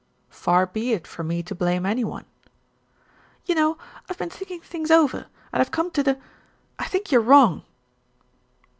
"Far be it from me to blame any one." "You know, I've been thinking things over, and I've come to the I think you're wrong."